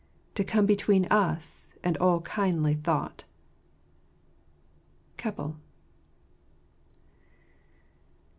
To come between us and all kindly thought 1 " ICeble.